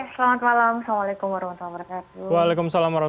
selamat malam assalamualaikum wr wb